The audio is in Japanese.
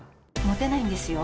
モテないんですよ